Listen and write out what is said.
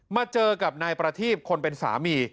มาเจอกับนายประทีบคนเป็นสามี